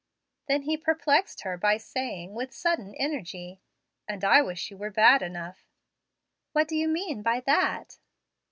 Then he perplexed her by saying, with sudden energy, "And I wish you were bad enough." "What do you mean by that?"